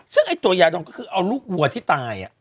ซึ่งไอ้ตัวยาดองก็คือเอาลูกวัวที่ตาย